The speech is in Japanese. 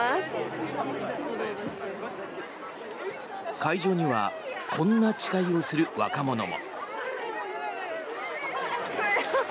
会場にはこんな誓いをする若者も。